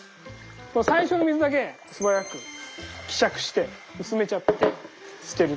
この最初の水だけ素早く希釈して薄めちゃって捨てるっていう。